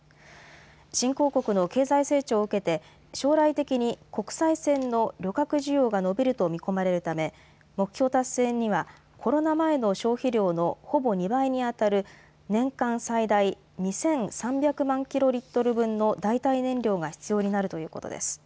新興国の経済成長を受けて将来的に国際線の旅客需要が伸びると見込まれるため目標達成にはコロナ前の消費量のほぼ２倍にあたる年間最大２３００万キロリットル分の代替燃料が必要になるということです。